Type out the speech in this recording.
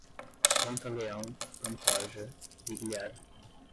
Pantaleão, Pantoja, Vigliar